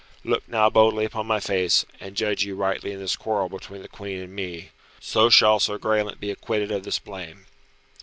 Look now boldly upon my face, and judge you rightly in this quarrel between the Queen and me. So shall Sir Graelent be acquitted of this blame."